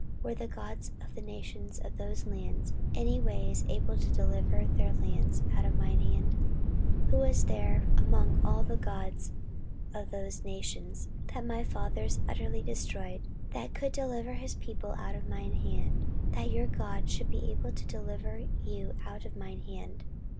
were the gods of the nations of those lands any ways able to deliver their lands out of mine hand? 14:032:014 Who was there among all the gods of those nations that my fathers utterly destroyed, that could deliver his people out of mine hand, that your God should be able to deliver you out of mine hand?